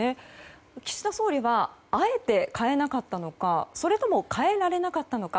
岸田総理はあえて変えなかったのかそれとも変えられなかったのか。